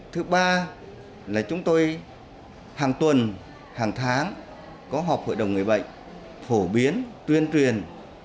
thứ ba là chúng tôi hàng tuần hàng tháng có họp hội đồng người bệnh phổ biến tuyên truyền